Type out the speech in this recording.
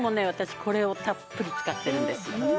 私これをたっぷり使ってるんですよ。